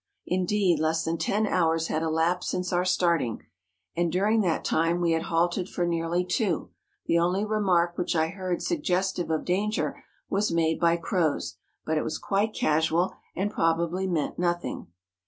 Indeed, less than ten hours had elapsed since our starting, and during that time we had halted for nearly two : the only remark which I heard suggestive of danger was made by Croz ; but it was quite casual, and probably meant nothing.